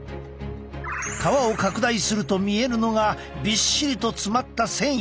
革を拡大すると見えるのがびっしりと詰まった繊維。